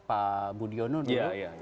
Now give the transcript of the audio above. pak budiono dulu